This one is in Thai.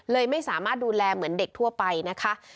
ไม่สามารถดูแลเหมือนเด็กทั่วไปนะคะ